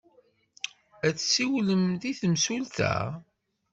Ad tsiwlem i temsulta?